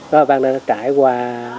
hoa văn này nó trải qua